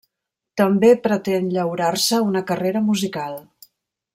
També pretén llaurar-se una carrera musical.